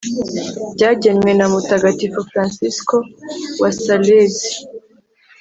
byagenwe na Mutagatifu Fransisiko Wa Salezi